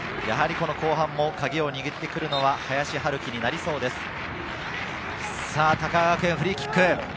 やはり後半もカギを握ってくるのは、林晴己になりそうです。